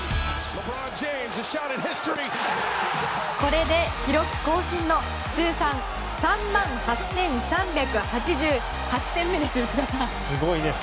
これで記録更新の通算３万８３８８点目ですよ。